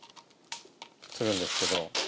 するんですけど。